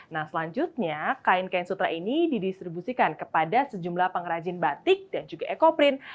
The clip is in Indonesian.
nah selanjutnya kain kain sutra ini didistribusikan kepada sejumlah pengrajin batik dan juga ekoprint